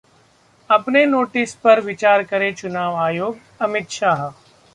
अपने नोटिस पर विचार करे चुनाव आयोग: अमित शाह